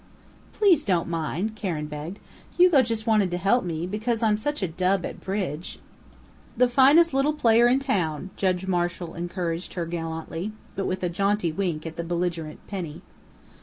"Please don't mind," Karen begged. "Hugo just wanted to help me, because I'm such a dub at bridge " "The finest little player in town!" Judge Marshall encouraged her gallantly, but with a jaunty wink at the belligerent Penny.